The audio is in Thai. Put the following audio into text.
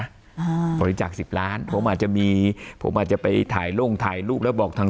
อ่าบริจาคสิบล้านผมอาจจะมีผมอาจจะไปถ่ายโล่งถ่ายรูปแล้วบอกทาง